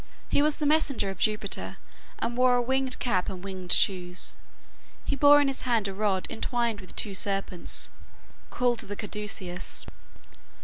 He was the messenger of Jupiter, and wore a winged cap and winged shoes. He bore in his hand a rod entwined with two serpents, called the caduceus.